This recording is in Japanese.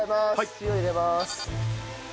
塩入れます。